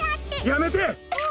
やめて！